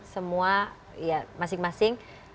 semua ya masing masing